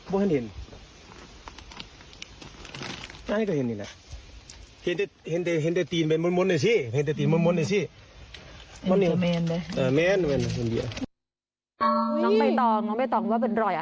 รอยอะไรอ่ะ